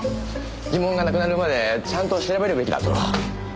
疑問がなくなるまでちゃんと調べるべきだと。